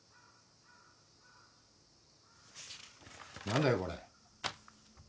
何だよこれ？